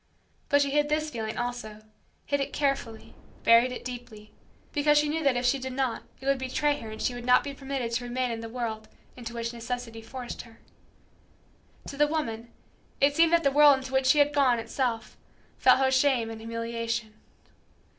But she hid this feeling also, hid it carefully, buried it deeply, because she knew that if she did not it would betray her and she would not be permitted to remain in the world into which necessity forced her. To the woman, it seemed that the world into which she had gone, itself, felt her shame and humiliation.